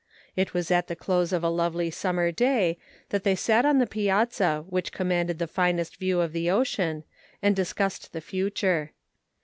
It was at the close of a lovely summer day, that they sat on the piazza which commanded the finest view of the ocean, and discussed the future.